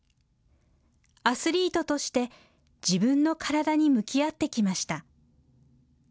アスリートとして自分の体に向き合ってきました。